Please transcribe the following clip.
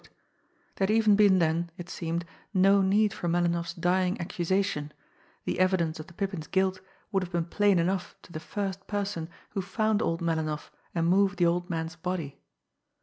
There had even been then, it seemed, no need for Melinoff's dying accusation the evidence of the Pippin's guilt would have been plain enough to the first person who found old Melinoff and moved the old man's body.